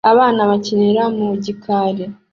Abana bakinira mu gikari